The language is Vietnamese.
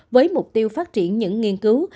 với mục tiêu phát triển những nghiên cứu